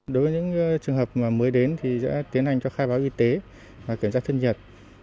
đối với những trường hợp mới đến thì sẽ tiến hành cho khai báo y tế và kiểm tra thân nhật